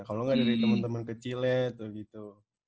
kalau gak dari temen temen kecilnya tuh gitu